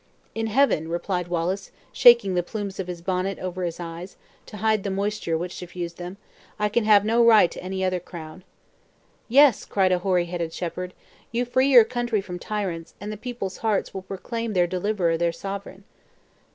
"In heaven," replied Wallace, shaking the plumes of his bonnet over his eyes, to hide the moisture which suffused them; "I can have no right to any other crown." "Yes," cried a hoary headed shepherd, "you free your country from tyrants, and the people's hearts will proclaim their deliverer their sovereign!"